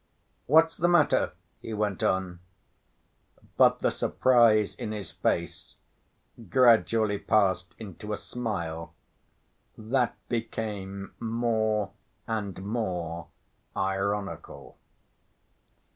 "What's the matter?" he went on; but the surprise in his face gradually passed into a smile that became more and more ironical.